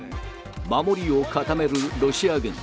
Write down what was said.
守りを固めるロシア軍。